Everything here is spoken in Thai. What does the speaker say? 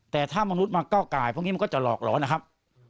แต่ถ้ามนุษย์มาเก้าไก่พวกนี้มันก็จะหลอกหลอนนะครับ